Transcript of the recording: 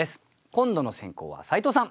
今度の先攻は斉藤さん。